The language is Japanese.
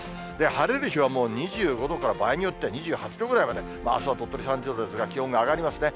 晴れる日はもう２５度から場合によっては２８度ぐらいまで、あすは鳥取３０度ですが、気温が上がりますね。